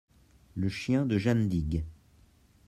Le chien de Janedig.